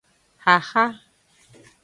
Xaxa.